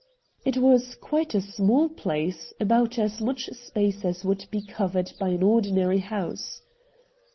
It was quite a small place, about as much space as would be covered by an ordinary house.